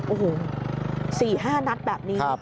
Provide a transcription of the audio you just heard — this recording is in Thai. โอ้โหสี่ห้านัดแบบนี้